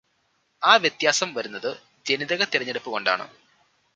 ആ വ്യത്യാസം വരുന്നത് ജനിതക തിരഞ്ഞെടുപ്പ് കൊണ്ടാണ്.